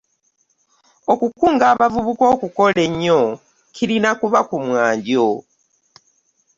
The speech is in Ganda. Okukunga abavubuka okukola ennyo kirina kuba ku mwanjo.